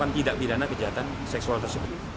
yang tidak pidana kejahatan seksual tersebut